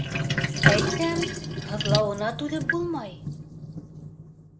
— Әйтәм, һыҙлауына түҙеп булмай...